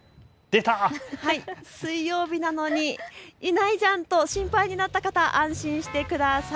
水曜日なのにいないじゃんと心配になった方、安心してください。